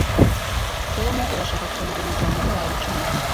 Tom, urashaka kunguriza amadorari icumi?